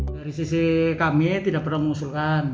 dari sisi kami tidak pernah mengusulkan